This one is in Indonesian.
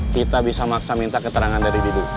kita bisa maksa minta keterangan dari bidu